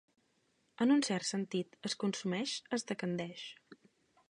En un cert sentit, es consumeix, es decandeix.